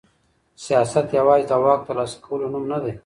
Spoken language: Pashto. سياست يوازي د واک د ترلاسه کولو نوم نه دی.